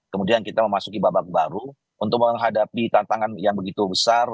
kemudian kita memasuki babak baru untuk menghadapi tantangan yang begitu besar